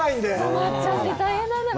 止まっちゃって大変なんだ、皆さん。